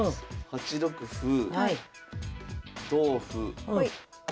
８六歩同歩。